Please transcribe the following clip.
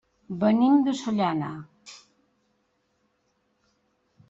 Venim de Sollana.